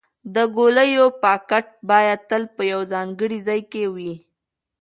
د ګولیو پاکټ باید تل په یو ځانګړي ځای کې وي.